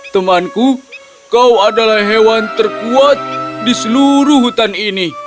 temanku kau adalah hewan terkuat di seluruh hutan ini